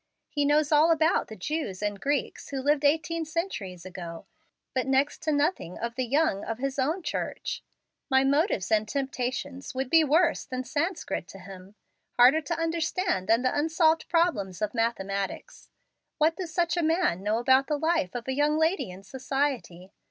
He knows all about the Jews and Greeks who lived eighteen centuries ago, but next to nothing of the young of his own church. My motives and temptations would be worse than Sanscrit to him, harder to understand than the unsolved problems of mathematics. What does such a man know about the life of a young lady in society?